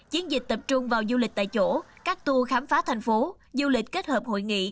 chiến dịch tập trung vào du lịch tại chỗ các tour khám phá thành phố du lịch kết hợp hội nghị